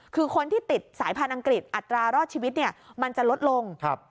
คือคนที่ติดสายพันธุ์อังกฤษอัตรารอดชีวิตเนี่ยมันจะลดลง